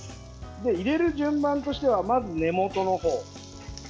入れる順番としてはまず根元のほう。